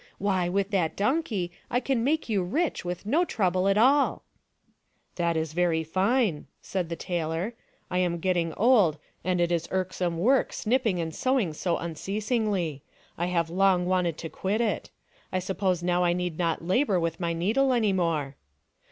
Why, with that donkey I can make you rich with no trouble at all !" "That is very fine," said the tailor. "I am getting old, and it is irksome work snipping and sewing so unceasingly. I have Jong wanted to quit it. I suppose now I need not labor with my needle any more."